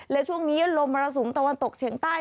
และช่วงนี้ลมมรสุมตะวันตกเฉียงใต้